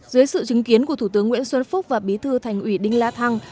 dưới sự chứng kiến của thủ tướng nguyễn xuân phúc và bí thư thành ủy đinh la thăng